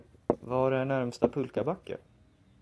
Var är närmsta pulkabacke?